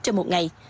trong một ngày